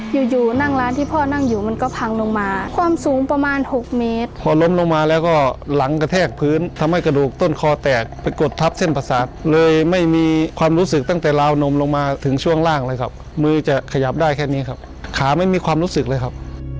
อยู่อยู่นั่งร้านที่พ่อนั่งอยู่มันก็พังลงมาความสูงประมาณ๖เมตรพอล้มลงมาแล้วก็หลังกระแทกพื้นทำให้กระดูกต้นคอแตกไปกดทับเส้นประสาทเลยไม่มีความรู้สึกตั้งแต่ราวนมลงมาถึงช่วงล่างเลยครับมือจะขยับได้แค่นี้ครับขาไม่มีความรู้สึกเลยครับ